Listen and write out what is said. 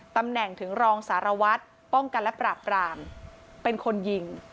ตำแหน่งถึงรองสารวัตรป้องกันและปราบรามเป็นคนยิง